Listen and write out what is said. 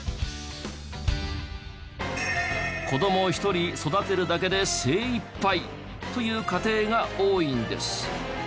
子ども一人育てるだけで精いっぱいという家庭が多いんです。